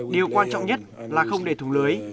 điều quan trọng nhất là không để thùng lưới